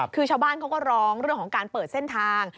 คือชาวบ้านเขาก็ร้องเรื่องของการเปิดเส้นทาง